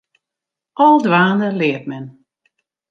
Al dwaande leart men.